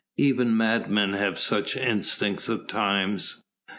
Even madmen have such instincts at times.